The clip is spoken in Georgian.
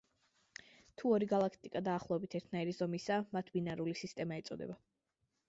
თუ ორი გალაქტიკა დაახლოებით ერთნაირი ზომისაა, მათ ბინარული სისტემა ეწოდება.